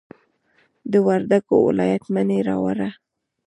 د وردګو ولایت مڼې راوړه.